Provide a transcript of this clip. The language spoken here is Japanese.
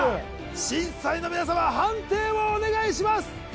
審査員の皆様判定をお願いします